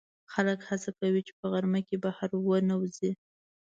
خلک هڅه کوي چې په غرمه کې بهر ونه وځي